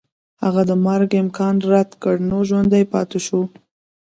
هغه د مرګ امکان رد کړ نو ژوندی پاتې شو.